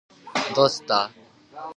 どうしましたか？